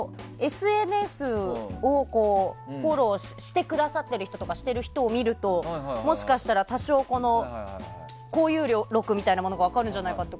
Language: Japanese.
ＳＮＳをフォローしてくださってる方やしてる人を見るともしかしたら多少交友録みたいなものが分かるんじゃないかと。